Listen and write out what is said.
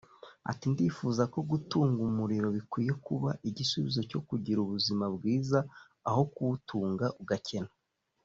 Ati “Ndifuza ko gutunga umuriro bikwiye kuba igisubizo cyo kugira ubuzima bwiza aho kuwutunga ugakena